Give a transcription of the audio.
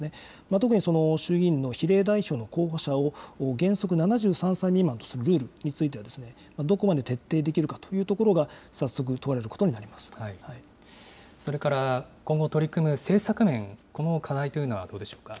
特に衆議院の比例代表の候補者を原則７３歳未満とするルールについては、どこまで徹底できるかというところが、早速問われることそれから今後、取り組む政策面、この課題というのはどうでしょうか。